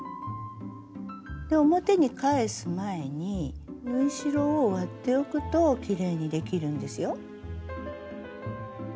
で表に返す前に縫い代を割っておくときれいにできるんですよ。